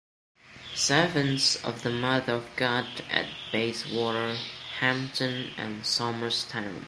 The Servants of the Mother of God at Bayswater, Hampton and Somers Town.